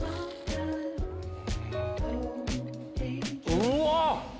うわっ！